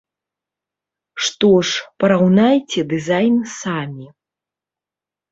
Што ж, параўнайце дызайн самі.